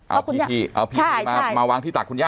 เอาพีพีเอาพีพีมาวางที่ตักคุณย่า